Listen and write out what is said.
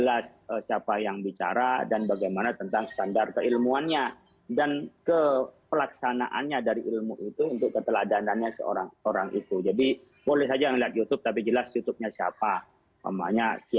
apa yang masuk dalam hal ini